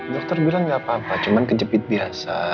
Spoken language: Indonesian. dokter bilang gak apa apa cuma kejepit biasa